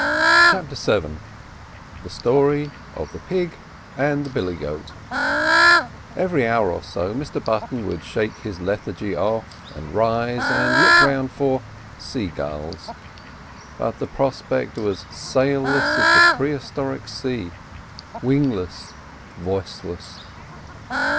CHAPTER VII STORY OF THE PIG AND THE BILLY GOAT Every hour or so Mr Button would shake his lethargy off, and rise and look round for "sea gulls," but the prospect was sail less as the prehistoric sea, wingless, voiceless.